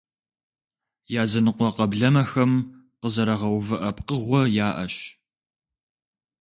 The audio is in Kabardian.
Языныкъуэ къэблэмэхэм къызэрагъэувыӀэ пкъыгъуэ яӀэщ.